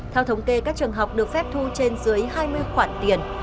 theo thống kê các trường học được phép thu trên dưới hai mươi khoản tiền